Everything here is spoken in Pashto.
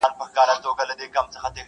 • په یوه تعویذ مي سم درته پر لار کړ..